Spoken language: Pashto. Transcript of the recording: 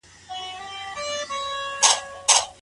هر کتاب نوی درس لري.